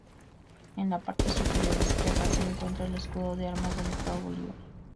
En la parte superior izquierda, se encuentra el escudo de armas del Estado Bolívar.